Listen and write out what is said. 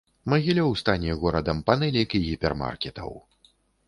Магілёў стане горадам панэлек і гіпермаркетаў.